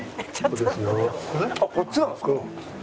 あっこっちなんですか？